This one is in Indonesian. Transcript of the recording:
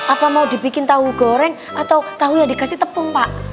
apa mau dibikin tahu goreng atau tahu yang dikasih tepung pak